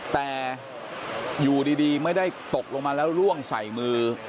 แต่อยู่ดีไม่ได้ตกลงมาแล้วร่วงใส่มือ